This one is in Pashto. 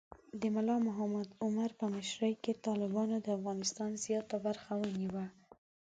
د ملا محمد عمر په مشرۍ کې طالبانو د افغانستان زیات برخه ونیوله.